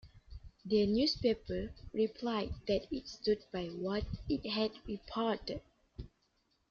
The newspaper replied that it stood by what it had reported.